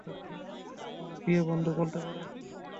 আমার প্রিয় বন্ধু বলতে পারেন।